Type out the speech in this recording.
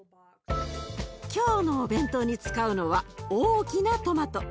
今日のお弁当に使うのは大きなトマト。